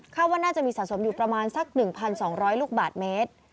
ว่าน่าจะมีสะสมอยู่ประมาณสัก๑๒๐๐ลูกบาทเมตร